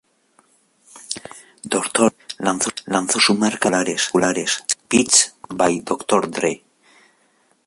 Dr. Dre lanzó su marca de auriculares, Beats by Dr. Dre.